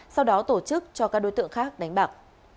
sau đó tổ chức cho các đối tượng khác đánh bạc